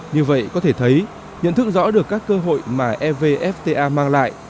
như vậy có thể thấy nhận thức rõ được các cơ hội mà evfta mang lại